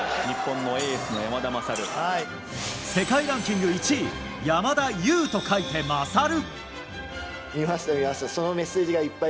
世界ランキング１位山田優と書いて、「まさる」。